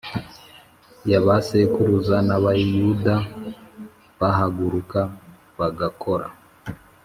yabasekuruza nabayuda bahaguruka bagakora